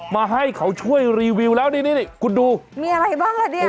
มาให้เขาช่วยรีวิวแล้วนี่นี่คุณดูมีอะไรบ้างอ่ะเนี่ย